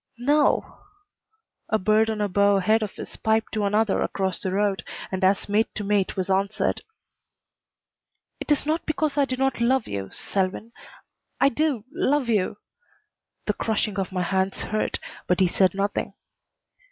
"No." A bird on a bough ahead of us piped to another across the road, and as mate to mate was answered. "It is not because I do not love you Selwyn. I do love you." The crushing of my hands hurt, but he said nothing.